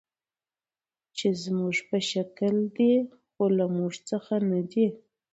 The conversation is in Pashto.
چې زموږ په شکل دي، خو له موږ څخه نه دي.